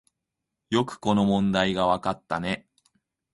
よくこの問題がわかったね